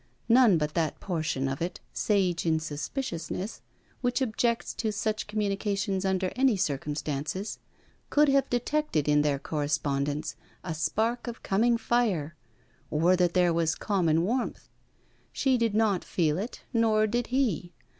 None but that portion of it, sage in suspiciousness, which objects to such communications under any circumstances, could have detected in their correspondence a spark of coming fire or that there was common warmth. She did not feel it, nor did he.